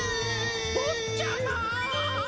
ぼっちゃま！